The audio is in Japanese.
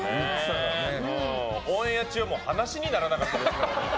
オンエア中は話にならなかったですから。